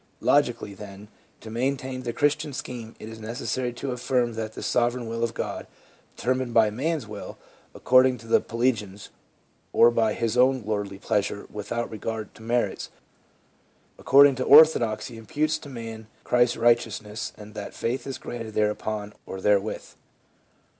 Logically, then, to maintain the Christian scheme it is necessary to affirm that the sovereign will of God, determined by man's will, according to the Pelagians, or by His own lordly pleasure without regard to merits, according to orthodoxy, imputes to man Christ's righteousness ; and that faith is granted thereupon, or therewith.